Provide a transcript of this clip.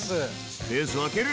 スペースを空ける！